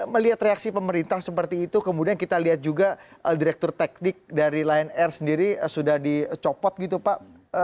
melihat reaksi pemerintah seperti itu kemudian kita lihat juga direktur teknik dari lion air sendiri sudah dicopot gitu pak